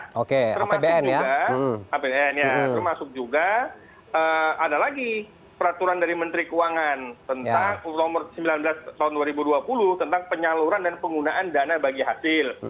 termasuk juga apbn ya termasuk juga ada lagi peraturan dari menteri keuangan tentang nomor sembilan belas tahun dua ribu dua puluh tentang penyaluran dan penggunaan dana bagi hasil